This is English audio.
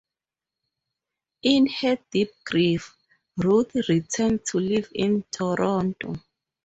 In her deep grief, Ruth returned to live in Toronto.